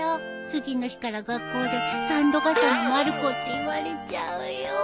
次の日から学校で「三度がさのまる子」って言われちゃうよ。